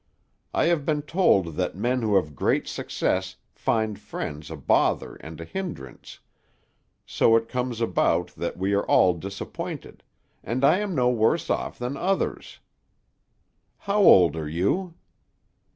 I have been told that men who have great success find friends a bother and a hindrance; so it comes about that we are all disappointed, and I am no worse off than others. How old are you?"